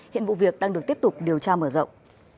hiện vụ việc đang được tiếp tục điều tra mở rộng